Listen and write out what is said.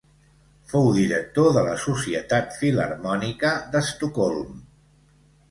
Fou director de la Societat Filharmònica d'Estocolm.